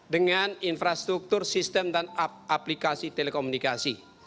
dengan infrastruktur sistem dan aplikasi telekomunikasi